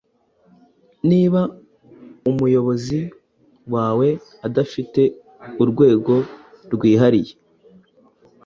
Niba umuyobozi wawe adafite urwego rwihariye